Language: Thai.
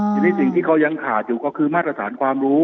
ทีนี้สิ่งที่เขายังขาดอยู่ก็คือมาตรฐานความรู้